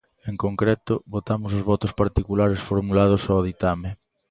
En concreto, votamos os votos particulares formulados ao ditame.